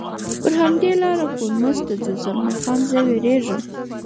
پر همدې لار کورمونز ته ځو، زلمی خان: زه وېرېږم.